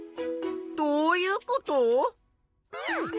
どういうこと？